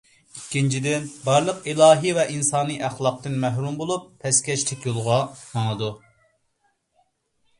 ئىككىنچىدىن، بارلىق ئىلاھىي ۋە ئىنسانىي ئەخلاقتىن مەھرۇم بولۇپ، پەسكەشلىك يولىغا ماڭىدۇ.